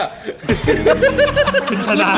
มันชนะ